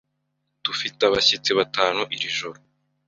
Dufite abashyitsi batanu iri joro.